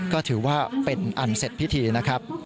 ก็ถือว่าเป็นอันเสร็จพิธีนะครับ